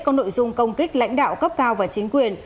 có nội dung công kích lãnh đạo cấp cao và chính quyền